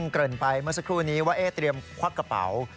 เกริ่นไปเมื่อสักครู่นี้ว่าเตรียมควักกระเป๋า